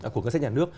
của ngân sách nhà nước